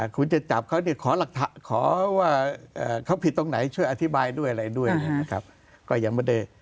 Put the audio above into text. คุณจะจับเขาเนี่ยขอว่าเขาผิดตรงไหนช่วยอธิบายด้วยอะไรด้วยนะครับก็ยังไม่ได้